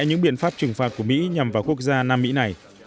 những biện pháp trừng phạt của mỹ nhằm vào quốc gia nam mỹ này